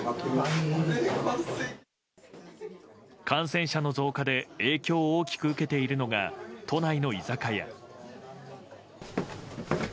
感染者の増加で影響を大きく受けているのが都内の居酒屋。